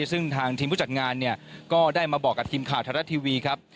ซึ่งทางทีมผู้จัดงานเนี่ยก็ได้มาบอกกับทีมข่าวไทยรัฐทีวีครับ